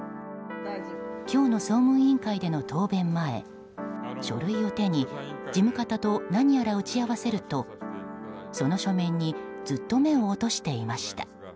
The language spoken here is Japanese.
今日の総務委員会の答弁前事務方と何やら打ち合わせるとその書面にずっと目を落していました。